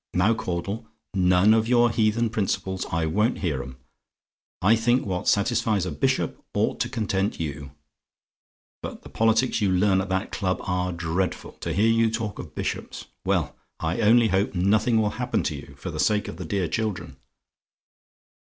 Now, Caudle, none of your heathen principles I won't hear 'em. I think what satisfies a bishop ought to content you; but the politics you learn at that club are dreadful. To hear you talk of bishops well, I only hope nothing will happen to you, for the sake of the dear children!